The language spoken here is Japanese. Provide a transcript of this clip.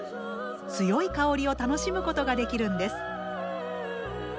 強い香りを楽しむことができるんです。